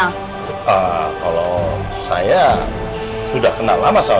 kita coba masuk ke dalam aja ya